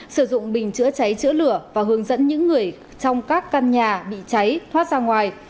sử dụng bình chữa cháy chữa lửa và hướng dẫn những người trong các căn nhà bị cháy thoát ra ngoài